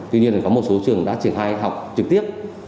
tuy nhiên có một số trường đã triển khai học trực tiếp